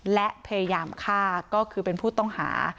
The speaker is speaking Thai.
และพยายามฆ่าก็คือเป็นผู้ต้องหา